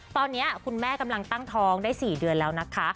ตอนนี้คุณแม่กำลังตั้งท้องได้๔เดือนแล้วนะคะ